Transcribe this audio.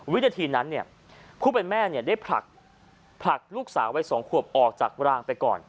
วิธีนั้นเนี่ยผู้เป็นแม่เนี่ยได้ผลักผลักลูกสาวไว้สองควบออกจากร่างไปก่อน